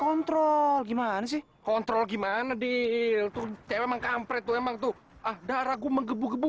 kontrol gimana sih kontrol gimana deal tuh cewek kampret memang tuh ah darah gue menggebu gebu